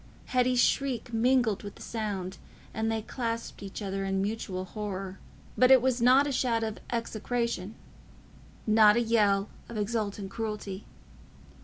Hetty's shriek mingled with the sound, and they clasped each other in mutual horror. But it was not a shout of execration—not a yell of exultant cruelty.